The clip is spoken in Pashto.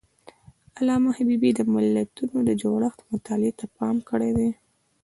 علامه حبيبي د ملتونو د جوړښت مطالعې ته پام کړی دی.